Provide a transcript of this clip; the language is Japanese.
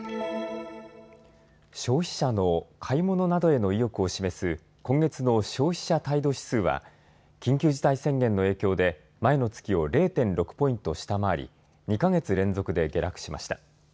消費者の買い物などへの意欲を示す今月の消費者態度指数は緊急事態宣言の影響で前の月を０．６ポイント下回り２か月連続で下落しました。